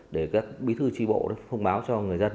để các bí thư tri bộ thông báo cho người dân